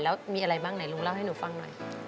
แล้วมีอะไรบ้างไหนลุงเล่าให้หนูฟังหน่อย